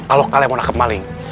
kalau kalian mau nangkep maling